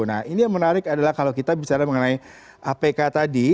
nah ini yang menarik adalah kalau kita bicara mengenai apk tadi